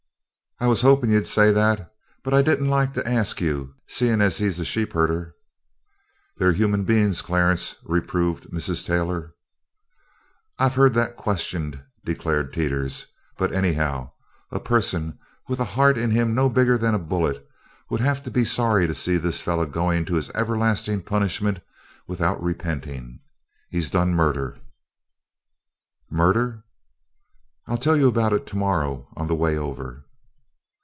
"I was hopin' you'd say that, but I didn't like to ask you, seein' as he's a sheepherder." "They're human beings, Clarence," reproved Mrs. Taylor. "I've heerd that questioned," declared Teeters, "but anyhow, a person with a heart in him no bigger than a bullet would have to be sorry to see this feller goin' to his everlasting punishment without repentin'. He's done murder." "Murder!" "I'll tell you about it to morrow on the way over."